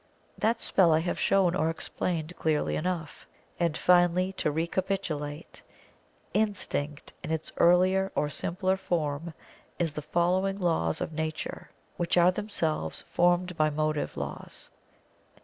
That spell I have shown or explained clearly enough. And, finally, to recapitulate, Instinct in its earlier or simpler form is the following laws of Nature which are themselves formed by motive laws.